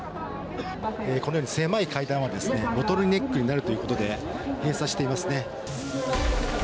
このように、狭い階段はですね、ボトルネックになるということで、閉鎖していますね。